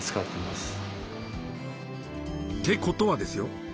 ってことはですよ